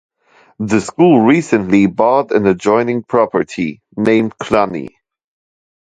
The school recently bought an adjoining property named Cluny.